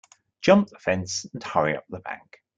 Jump the fence and hurry up the bank.